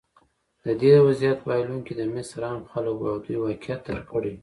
د دې وضعیت بایلونکي د مصر عام خلک وو او دوی واقعیت درک کړی.